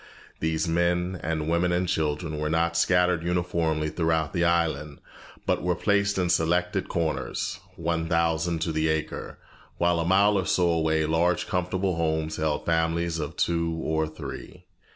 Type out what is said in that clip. These men and women and children were not scattered uniformly throughout the island, but were placed in selected corners, one thousand to the acre, while a mile or so away large comfortable homes held families of two or three.